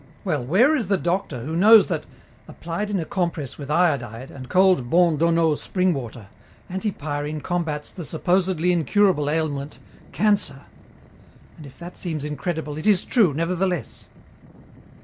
Well, where is the doctor who knows that, applied in a compress with iodide and cold Bondonneau spring water, antipyrine combats the supposedly incurable ailment, cancer? And if that seems incredible, it is true, nevertheless."